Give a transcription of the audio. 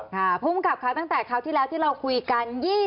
ค่ะภูมิกราบค่ะตั้งแต่คราวที่เราแล้วที่เราคุยกัน